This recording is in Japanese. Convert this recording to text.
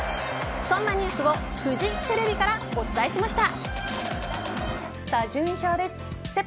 そんなニュースをフジテレビからお伝えしました。